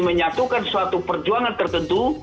menyatukan suatu perjuangan tertentu